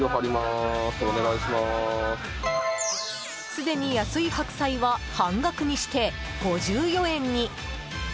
すでに安い白菜は半額にして５４円に。